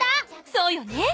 そうよね。